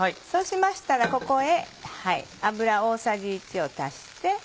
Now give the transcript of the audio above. そうしましたらここへ油大さじ１を足して。